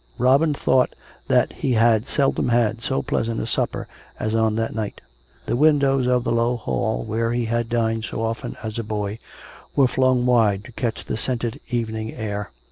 Robin thought that he had seldom had so pleasant a supper as on that night. The windows of the low hall where he had dined so often as a boy, were flung wide to catch the scented evening air.